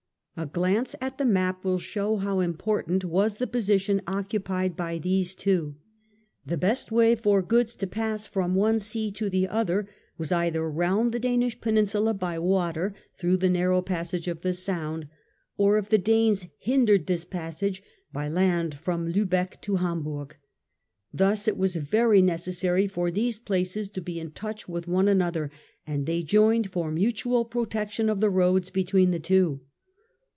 A glance at the map will show how important was the posi tion occupied by these two. The best way for goods to pass from one sea to the other, was either round the Danish Peninsula by water through the narrow passage of the Sound, or if the Danes hindered this passage, by land from Ltibeck to Hamburg. Thus it was very necessary for these places to be in touch with one an other, and they joined for mutual protection of the roads between the two.